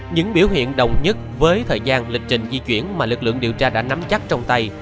những biểu hiện đồng nhất với thời gian lịch trình di chuyển mà lực lượng điều tra đã nắm chắc trong tay